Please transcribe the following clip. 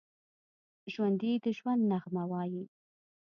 ژوندي د ژوند نغمه وايي